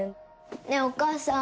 ねえお母さん。